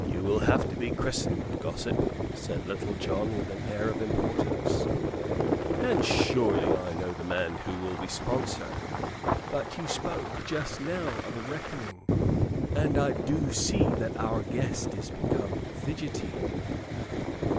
"You will have to be christened, gossip," said Little John, with an air of importance; "and surely I know the man who will be sponsor. But you spoke just now of a reckoning; and I do see that our guest is become fidgety.